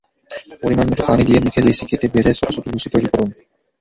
পরিমাণমতো পানি দিয়ে মেখে লেচি কেটে বেলে ছোট ছোট লুচি তৈরি করুন।